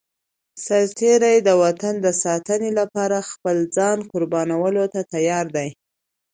سرتېری د وطن د ساتنې لپاره خپل ځان قربانولو ته تيار دی.